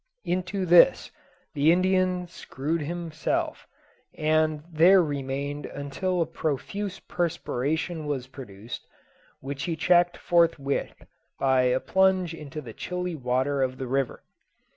Into this the Indian screwed himself, and there remained until a profuse perspiration was produced, which he checked forthwith by a plunge into the chilly water of the river.